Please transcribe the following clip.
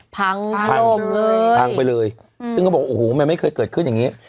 พังพังพังเลยพังไปเลยซึ่งเขาบอกโอ้โหมันไม่เคยเกิดขึ้นอย่างนี้